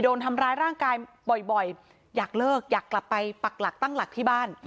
โดนทำร้ายร่างกายบ่อยอยากเลิกอยากกลับไปปักหลักตั้งหลักที่บ้าน